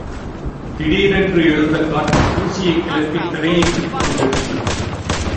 திடீரென்று எழுந்த காற்று தூசியைக் கிளப்பி திரையிட்டு கொண்டிருந்தது.